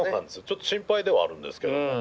ちょっと心配ではあるんですけども。